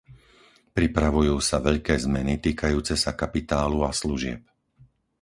Pripravujú sa veľké zmeny týkajúce sa kapitálu a služieb.